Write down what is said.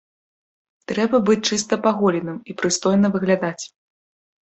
Трэба быць чыста паголеным і прыстойна выглядаць.